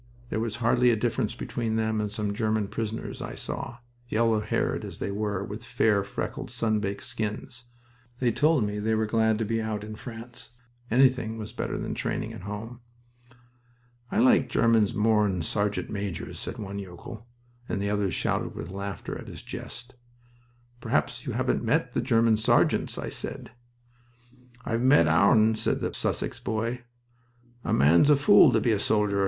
There was hardly a difference between them and some German prisoners I saw, yellow haired as they were, with fair, freckled, sun baked skins. They told me they were glad to be out in France. Anything was better than training at home. "I like Germans more'n sergeant majors," said one young yokel, and the others shouted with laughter at his jest. "Perhaps you haven't met the German sergeants," I said. "I've met our'n," said the Sussex boy. "A man's a fool to be a soldier.